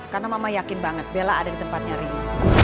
karena mama yakin banget bella ada di tempatnya reno